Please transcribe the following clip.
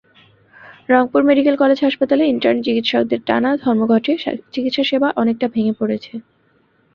Rangpur medical college হাসপাতালে intern চিকিৎসকদের টানা ধর্মঘটে চিকিৎসাসেবা অনেকটা ভেঙে পড়েছে।